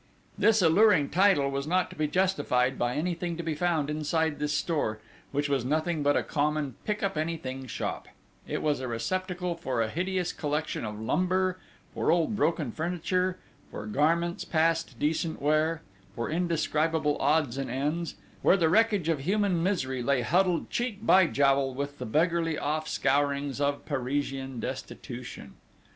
_" This alluring title was not justified by anything to be found inside this store, which was nothing but a common pick up anything shop: it was a receptacle for a hideous collection of lumber, for old broken furniture, for garments past decent wear, for indescribable odds and ends, where the wreckage of human misery lay huddled cheek by jowl with the beggarly offscourings of Parisian destitution.